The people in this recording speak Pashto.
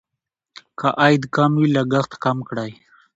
که عاید کم وي لګښت کم کړئ.